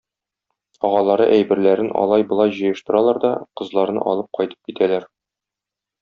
Агалары әйберләрен алай-болай җыештыралар да кызларны алып кайтып китәләр.